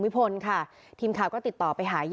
พี่อุ๋ยพ่อจะบอกว่าพ่อจะรับผิดแทนลูก